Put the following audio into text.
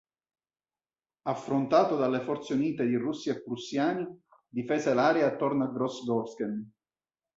Affrontato dalle forze unite di russi e prussiani, difese l'area attorno a Gross-Gorschen.